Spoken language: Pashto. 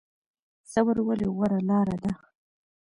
صبر ولې غوره لاره ده؟